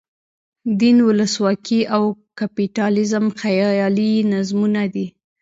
دین، ولسواکي او کپیټالیزم خیالي نظمونه دي.